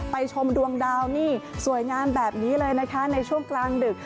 ชมดวงดาวนี่สวยงามแบบนี้เลยนะคะในช่วงกลางดึก